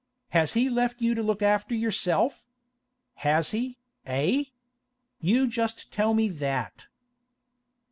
Has he left you to look after yourself? Has he, eh? You just tell me that!